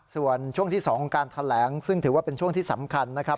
ส่วนช่วงที่๒ของการแถลงซึ่งถือว่าเป็นช่วงที่สำคัญนะครับ